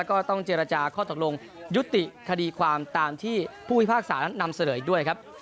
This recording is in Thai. ก็ต้องเจรจาข้อตกลงยุติคดีความตามที่ผู้พิพากษานั้นนำเสนออีกด้วยครับ